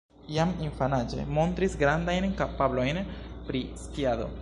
Jam infanaĝe montris grandajn kapablojn pri skiado.